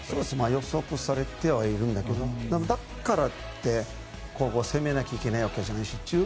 予測されてはいるんだけどだからって、攻めないといけないわけじゃないし。